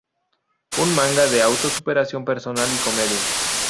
Un manga de auto-superacion personal y comedia.